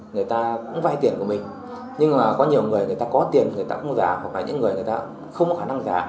người ta cũng vay tiền của mình nhưng mà có nhiều người người ta có tiền người ta không giả hoặc là những người người ta không có khả năng giả